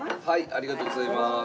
ありがとうございます。